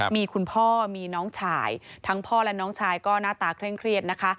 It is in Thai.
มีคุณพ่อมีน้องชายทั้งพ่อและน้องชายก็หน้าตาเคร่งเครียดนะคะ